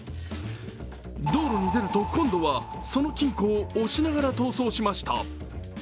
道路に出ると今度はその金庫を押しながら逃走しました。